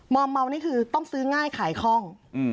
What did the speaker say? อมเมานี่คือต้องซื้อง่ายขายคล่อง